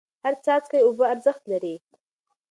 هر څاڅکی اوبه ارزښت لري.